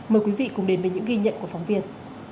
mời quý vị cùng đến với những ghi nhận của phóng viên